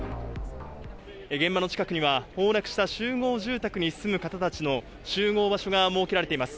現場の近くには、崩落した集合住宅に住む方たちの集合場所が設けられています。